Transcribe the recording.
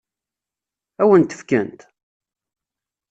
Ad wen-t-fkent?